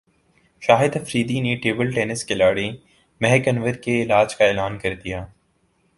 شاہد فریدی نے table tennis کھلاڑی مہک انور کے علاج کا اعلان کردیا